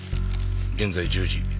現在１０時。